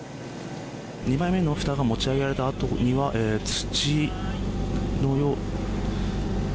２枚目のふたが持ち上げられたあとには土が。